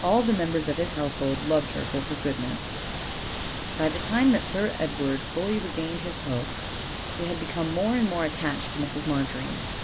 All the members of his household loved her for her goodness. the time that Sir Edward fully regained his health OLD, OLD FAIRY TALES. 13 he had become more and more attached to Mrs. Margery.